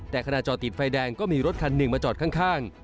แต่ขณะจอดติดไฟแดงก็มีรถคันหนึ่งมาจอดข้าง